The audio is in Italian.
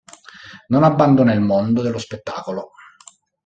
Non abbandona il mondo dello spettacolo.